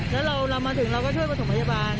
แล้วเรามาถึงเราก็ช่วยประถมพยาบาล